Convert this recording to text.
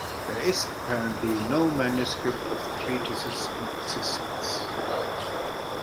There is apparently no manuscript of the treatises in existence.